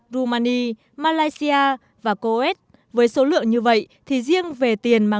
đã có ba tỷ usd